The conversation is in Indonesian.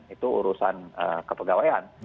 itu urusan kepegawaian